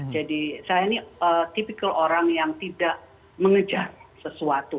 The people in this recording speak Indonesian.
jadi saya ini tipikal orang yang tidak mengejar sesuatu